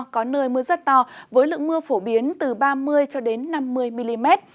có nơi mưa rất to với lượng mưa phổ biến từ ba mươi năm mươi mm